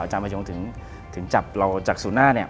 อาจารย์ประยงถึงจับเราจากสุน่า